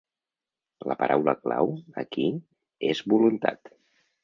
La paraula clau, aquí, és voluntat.